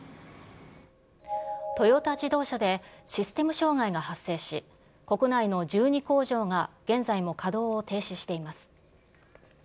トヨタ自動車でシステム障害が発生し、国内の１２工場が現在も稼働を停止しています。